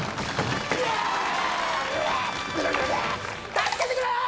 助けてくれー！